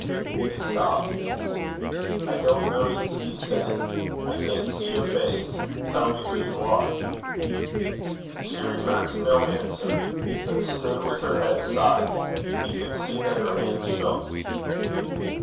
He stopped. 'I don't know you,' he said. 'I can't see your face. Tell me who you are.' She returned no answer, but stood with her head aside. He could see that her hands shook.